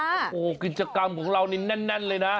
โอ้โหกิจกรรมของเรานี่แน่นเลยนะ